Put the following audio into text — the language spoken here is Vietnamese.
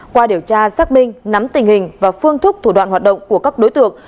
qua điều tra xác binh nắm tình hình và phương thúc thủ đoạn hoạt động của các đối tượng